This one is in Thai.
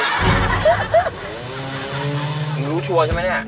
มึงรู้ชัวร์ใช่ไหมเนี่ย